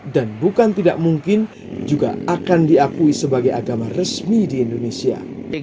dan bukan tidak mungkin juga akan diakui sebagai agama resmi di indonesia